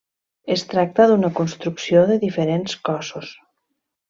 Es tracta d'una construcció de diferents cossos.